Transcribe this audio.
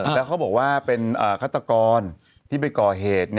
แล้วเขาบอกว่าเป็นฆาตกรที่ไปก่อเหตุ